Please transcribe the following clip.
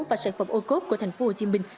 và sản phẩm o cop của thành phố hồ chí minh